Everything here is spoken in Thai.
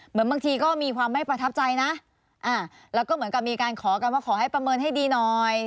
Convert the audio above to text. บางทีก็มีความไม่ประทับใจนะแล้วก็เหมือนกับมีการขอกันว่าขอให้ประเมินให้ดีหน่อย